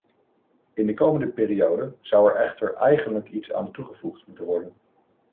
In de komende periode zou er echter eigenlijk iets aan toegevoegd moeten worden.